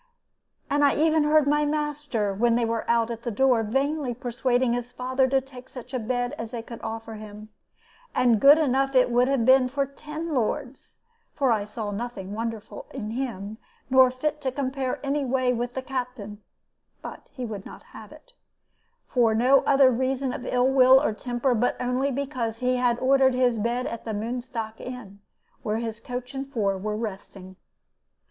"And I even heard my master, when they went out at the door, vainly persuading his father to take such a bed as they could offer him. And good enough it would have been for ten lords; for I saw nothing wonderful in him, nor fit to compare any way with the Captain. But he would not have it, for no other reason of ill will or temper, but only because he had ordered his bed at the Moonstock Inn, where his coach and four were resting.